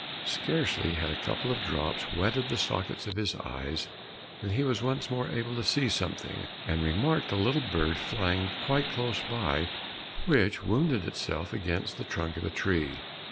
Scarcely had a couple of drops wetted the sockets of his eyes, than he was once more able to see something, and remarked a little bird flying quite close by, which wounded itself against the trunk of a tree.